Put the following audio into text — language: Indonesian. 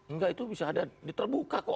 enggak itu bisa ada diterbuka kok